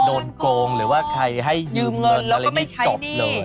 โดนโกงหรือว่าใครให้ยืมเงินอะไรไม่จบเลย